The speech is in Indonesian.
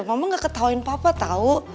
mama gak ketawain papa tau